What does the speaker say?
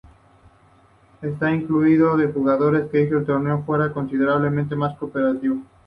Esta inclusión de jugadores hizo que el torneo fuera considerablemente más competitivo.